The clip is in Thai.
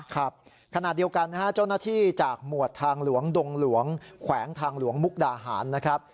ครับขณะเดียวกันนะฮะเจ้าหน้าที่จากหมวดทางหลวงดงหลวงแขวงทางหลวงมุกดาหารนะครับ